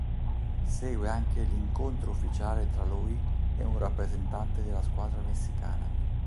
Segue anche l'incontro ufficiale tra lui e un rappresentante della squadra messicana.